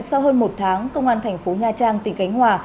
sau hơn một tháng công an thành phố nha trang tỉnh khánh hòa